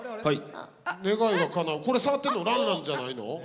願いがかなうこれ触ってるの爛々じゃないの？